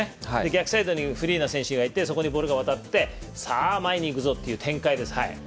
逆サイドにフリーの選手がいてボールがわたってさあ、前にいくぞっていう展開です。